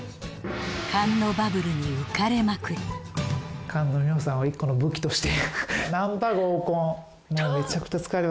菅野バブルに浮かれまくり菅野美穂さんは一個の武器として。